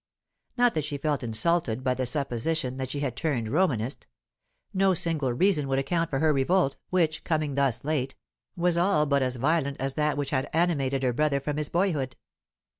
Not that she felt insulted by the supposition that she had turned Romanist. No single reason would account for her revolt, which, coming thus late, was all but as violent as that which had animated her brother from his boyhood.